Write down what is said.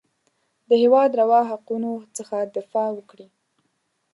د هېواد روا حقونو څخه دفاع وکړي.